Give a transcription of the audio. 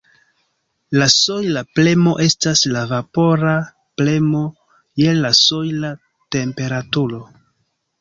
La sojla premo estas la vapora premo je la sojla temperaturo.